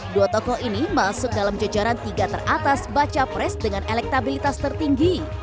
dua tokoh ini masuk dalam jajaran tiga teratas baca pres dengan elektabilitas tertinggi